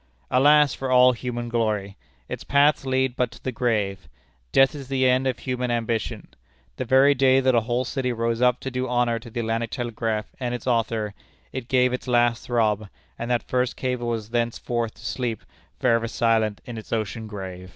Alas for all human glory! Its paths lead but to the grave. Death is the end of human ambition. The very day that a whole city rose up to do honor to the Atlantic Telegraph and its author, it gave its last throb, and that first cable was thenceforth to sleep for ever silent in its ocean grave.